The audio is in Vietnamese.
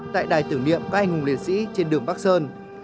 tại đài tưởng niệm các anh hùng liệt sĩ trên đường bắc sơn